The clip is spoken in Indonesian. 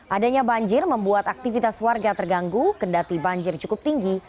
adanya banjir membuat aktivitas warga terganggu kendati banjir cukup tinggi